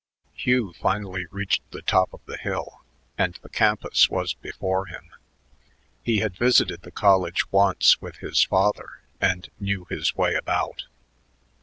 Hugh finally reached the top of the hill, and the campus was before him. He had visited the college once with his father and knew his way about.